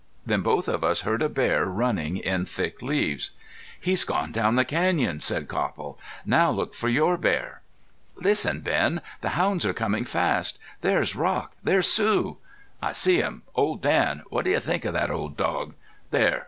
Then both of us heard a bear running in thick leaves. "He's gone down the canyon," said Copple. "Now look for your bear." "Listen Ben. The hounds are coming fast. There's Rock. There's Sue." "I see them. Old Dan what do you think of that old dog?... There!